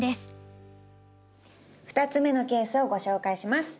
２つ目のケースをご紹介します。